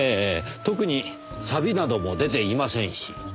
特にサビなども出ていませんし。